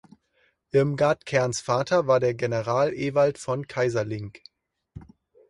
Irmgard Kerns Vater war der General Ewald von Keyserlingk.